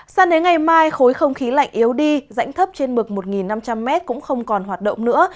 sao đến ngày mai khối không khí lạnh yếu đi rãnh thấp trên mực một năm trăm linh m cũng không còn hoạt động nữa